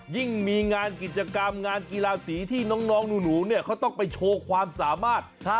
ยิ่งมีงานกิจกรรมงานกีฬาสีที่น้องหนูเนี่ยเขาต้องไปโชว์ความสามารถ